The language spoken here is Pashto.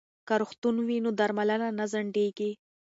که روغتون وي نو درملنه نه ځنډیږي.